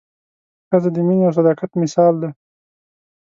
ښځه د مینې او صداقت مثال ده.